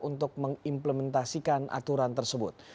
untuk mengimplementasikan aturan tersebut